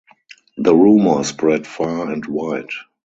The rumour spread far and wide.